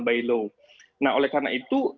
by law nah oleh karena itu